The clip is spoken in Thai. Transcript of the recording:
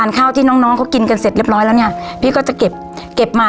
อ่าอ่าอ่าอ่าอ่า